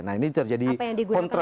nah ini terjadi kontra